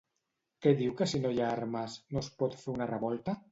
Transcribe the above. Què diu que si no hi ha armes, no es pot fer una revolta?